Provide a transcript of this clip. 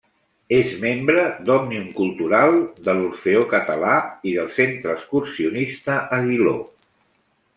És membre d'Òmnium Cultural, de l'Orfeó Català i del Centre Excursionista Aguiló.